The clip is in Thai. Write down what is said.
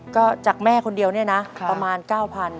คือจากแม่คนเดียวนะประมาณ๙๐๐๐